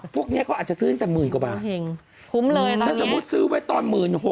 พวกนี้ก็อาจจะซื้อตั้งแต่๑๐๐๐๐กว่าบาทโอเคคุ้มเลยตอนนี้ถ้าสมมุติซื้อไว้ตอน๑๖๐๐๐๑๗๐๐๐